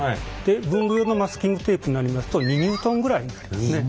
文具用のマスキングテープになりますと２ニュートンぐらいになりますね。